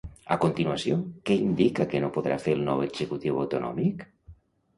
A continuació, què indica que no podrà fer el nou executiu autonòmic?